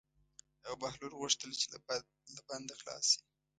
او بهلول غوښتل چې له بنده خلاص شي.